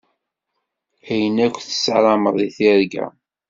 Ayen akk tessarameḍ deg tirga.